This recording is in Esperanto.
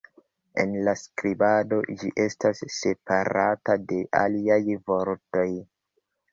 En la skribado ĝi estas separata de aliaj vortoj".